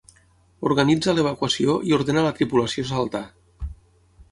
Organitza l'evacuació i ordena a la tripulació saltar.